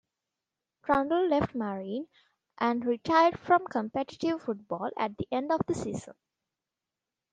Trundle left Marine and retired from competitive football at the end of the season.